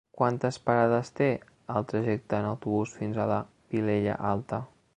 Quantes parades té el trajecte en autobús fins a la Vilella Alta?